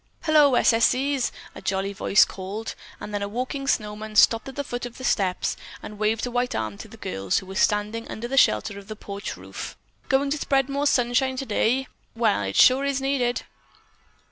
"Hello, S. S. C.'s," a jolly voice called, and then a walking snowman stopped at the foot of the steps and waved a white arm to the girls who were standing under the shelter of the porch roof. "Going to spread some more sunshine today? Well, it sure is needed."